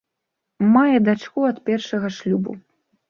Мае дачку ад першага шлюбу.